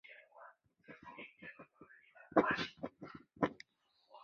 收录五首新歌。